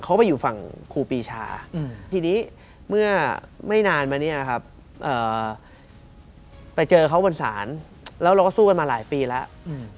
เขาไปอยู่ฝั่งครูปีชาทีนี้เมื่อไม่นานมาเนี่ยครับไปเจอเขาบนศาลแล้วเราก็สู้กันมาหลายปีแล้ว